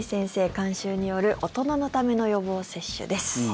監修による大人のための予防接種です。